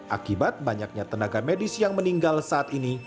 akibat banyaknya tenaga medis yang meninggal saat ini